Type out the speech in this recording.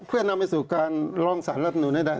เพื่อนำไปสู่การลองสารละจนูนได้